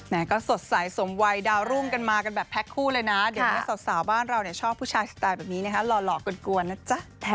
ก็สดใสสมวัยดาวรุ่งกันมากันแบบแพ็คคู่เลยนะเดี๋ยวนี้สาวบ้านเราเนี่ยชอบผู้ชายสไตล์แบบนี้นะฮะหล่อกวนนะจ๊ะ